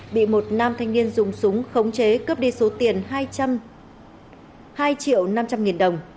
bị một nam thanh niên dùng súng khống chế cướp đi số tiền hai triệu năm trăm linh nghìn đồng